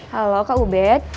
halo kak ubed